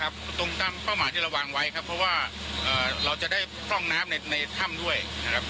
ตรงตามเป้าหมายที่เราวางไว้ครับเพราะว่าเราจะได้พร่องน้ำในถ้ำด้วยนะครับ